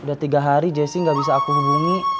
udah tiga hari jessi gak bisa aku hubungi